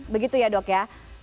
begitu ya dok ya